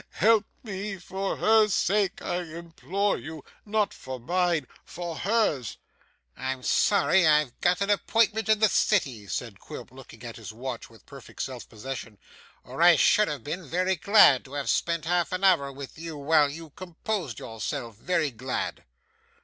Help me for her sake I implore you; not for mine; for hers!' 'I'm sorry I've got an appointment in the city,' said Quilp, looking at his watch with perfect self possession, 'or I should have been very glad to have spent half an hour with you while you composed yourself, very glad.